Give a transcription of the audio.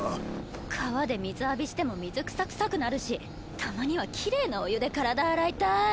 川で水浴びしても水草臭くなるしたまにはきれいなお湯で体洗いたい。